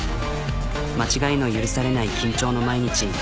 間違いの許されない緊張の毎日。